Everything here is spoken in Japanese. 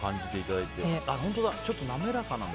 本当だ、ちょっと滑らかなんだ。